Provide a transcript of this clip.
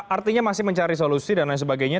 artinya masih mencari solusi dan lain sebagainya